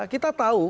kita tahu kalau